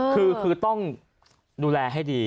คือต้องดูแลให้ดี